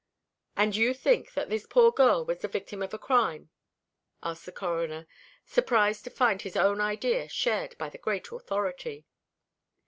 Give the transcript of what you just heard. "And you think that this poor girl was the victim of a crime?" asked the Coroner, surprised to find his own idea shared by the great authority.